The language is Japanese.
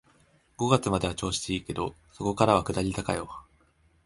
五月までは調子いいけど、そこからは下り坂よ